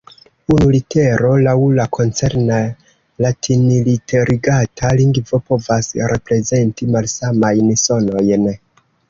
Unu litero laŭ la koncerna latinliterigata lingvo povas reprezenti malsamajn sonojn.